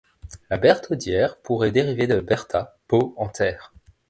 La Bertaudiere pourrait dériver de berta, pot en terre.